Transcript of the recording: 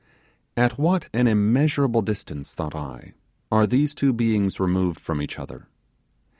At what an immeasurable distance, thought I, are these two beings removed from each other.